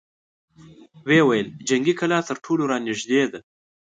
ويې ويل: جنګي کلا تر ټولو را نېږدې ده!